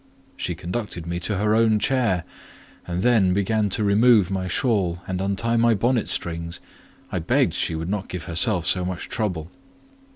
She conducted me to her own chair, and then began to remove my shawl and untie my bonnet strings; I begged she would not give herself so much trouble.